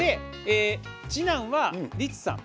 次男は、率さん。